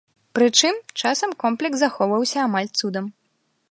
Прычым, часам комплекс захоўваўся амаль цудам.